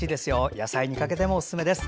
野菜にかけてもおすすめです。